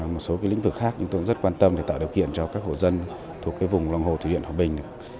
một số lĩnh vực khác chúng tôi cũng rất quan tâm để tạo điều kiện cho các hộ dân thuộc vùng lòng hồ thủy điện hòa bình